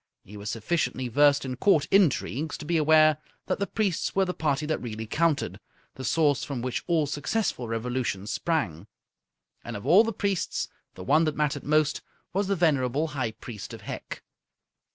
He was sufficiently versed in Court intrigues to be aware that the priests were the party that really counted, the source from which all successful revolutions sprang. And of all the priests the one that mattered most was the venerable High Priest of Hec.